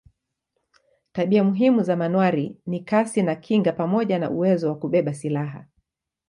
Tabia muhimu za manowari ni kasi na kinga pamoja na uwezo wa kubeba silaha.